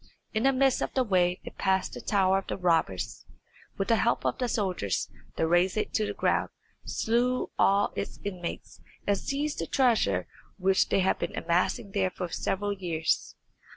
In the midst of the way they passed the tower of the robbers, and with the help of the soldiers they razed it to the ground, slew all its inmates, and seized the treasure which they had been amassing there for several years.